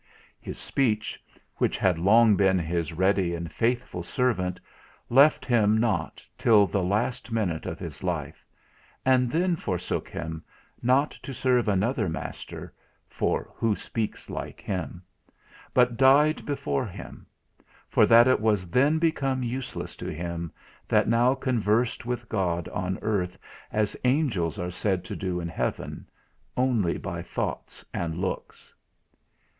His speech, which had long been his ready and faithful servant, left him not till the last minute of his life, and then forsook him, not to serve another master for who speaks like him, but died before him; for that it was then become useless to him, that now conversed with God on earth as Angels are said to do in heaven, only by thoughts and looks.